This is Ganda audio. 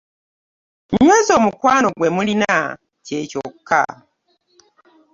Nyweza omukwano gwe mulina kye kyokka.